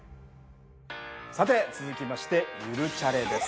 さて続きまして「ゆるチャレ」です。